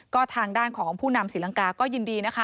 ก็ทางด้านของผู้นำศรีลังกาก็ยินดีนะคะ